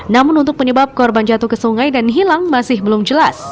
namun untuk penyebab korban jatuh ke sungai dan hilang masih belum jelas